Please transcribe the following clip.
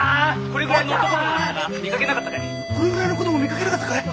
これぐらいの子ども見かけなかったかい？